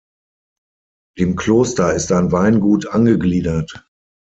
Dem Kloster ist ein Weingut angegliedert.